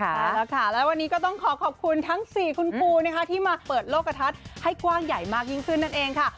ใช่แล้วค่ะแล้ววันนี้ก็ต้องขอขอบคุณทั้ง๔คุณครูนะคะที่มาเปิดโลกกระทัดให้กว้างใหญ่มากยิ่งขึ้นนั่นเองค่ะ